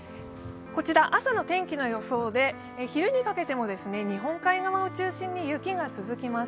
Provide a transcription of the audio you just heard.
朝の天気の予想で昼にかけても日本海側を中心に雪が続きます。